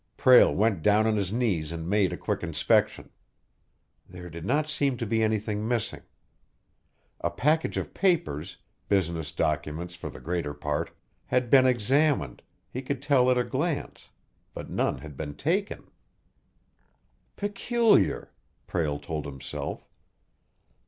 Prale went down on his knees and made a quick inspection. There did not seem to be anything missing. A package of papers business documents for the greater part had been examined, he could tell at a glance, but none had been taken. "Peculiar!" Prale told himself.